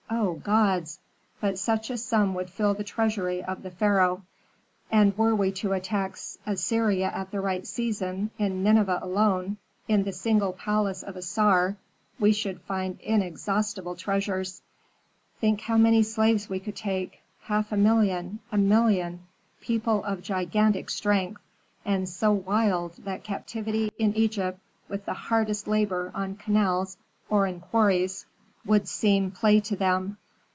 "O gods! but such a sum would fill the treasury of the pharaoh. And were we to attack Assyria at the right season, in Nineveh alone, in the single palace of Assar, we should find inexhaustible treasures. Think how many slaves we could take, half a million a million, people of gigantic strength, and so wild that captivity in Egypt with the hardest labor on canals or in quarries would seem play to them.